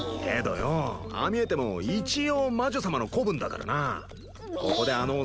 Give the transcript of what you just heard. けどよぉああ見えても一応魔女様の子分だからなあ。